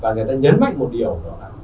và người ta nhấn mạnh một điều đó là